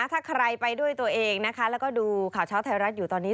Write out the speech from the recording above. ถ้าใครไปด้วยตัวเองนะคะแล้วก็ดูข่าวเช้าไทยรัฐอยู่ตอนนี้